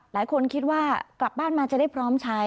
หลายคนคิดว่ากลับบ้านมาจะได้พร้อมใช้